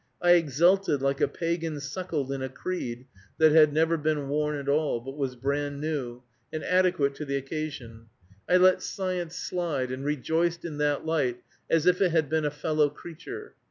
I exulted like "a pagan suckled in a creed" that had never been worn at all, but was bran new, and adequate to the occasion. I let science slide, and rejoiced in that light as if it had been a fellow creature.